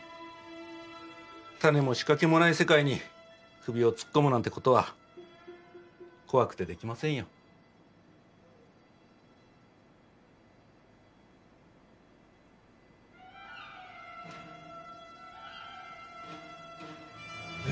タネも仕掛けもない世界に首を突っ込むなんてことは怖くてできませんよ。え？